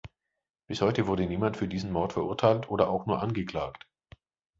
Bis heute wurde niemand für diesen Mord verurteilt oder auch nur angeklagt.